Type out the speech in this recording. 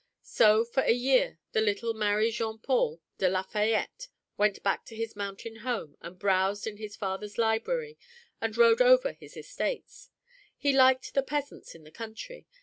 So for a year the little Marie Jean Paul de Lafayette went back to his mountain home and browsed in his father's library and rode over his estates. He liked the peasants in the country.